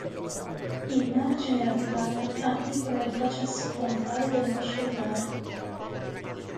Il margine laterale articola il processo frontale del mascellare.